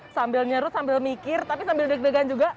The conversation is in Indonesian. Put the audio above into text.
sambil nyerut sambil mikir tapi sambil deg degan juga